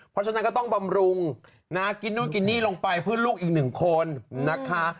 เพราะฉะนั้นก็ต้องบำรุงนะเพื่อนลูกอีกหนึ่งคนนะคะ